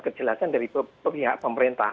kejelasan dari pihak pemerintah